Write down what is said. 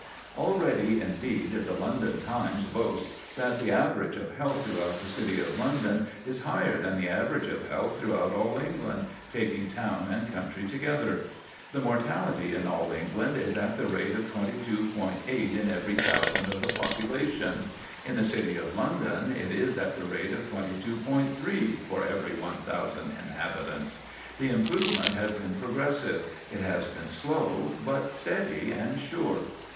Already, indeed, the London Times boasts "that the average of health throughout the City of London is higher than the average of health throughout all England, taking town and country together. The mortality in all England is at the rate of 22.8 in every 1,000 of the population; in the City of London it is at the rate of 22.3 for every 1,000 inhabitants! The improvement has been progressive; it has been slow, but steady and sure.